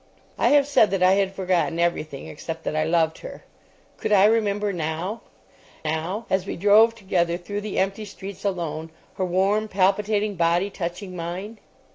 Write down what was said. I have said that I had forgotten everything except that I loved her. Could I remember now? Now, as we drove together through the empty streets alone, her warm, palpitating body touching mine.